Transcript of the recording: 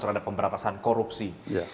terhadap pemberantasan korupsi